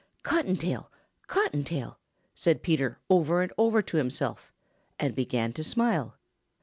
"Cottontail, Cottontail." said Peter over and over to himself and began to smile.